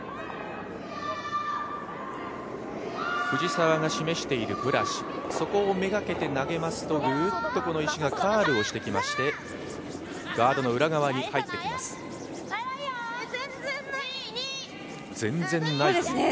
藤澤が示しているブラシを目がけて投げますとウーッとこの石がカーブをしてきましてガードの裏側に入っていきます。